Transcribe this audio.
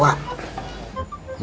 nanti pak ustadz